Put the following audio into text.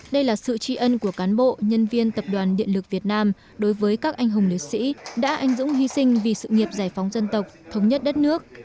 đây là sự tri ân của cán bộ nhân viên tập đoàn điện lực việt nam đối với các anh hùng liệt sĩ đã anh dũng hy sinh vì sự nghiệp giải phóng dân tộc thống nhất đất nước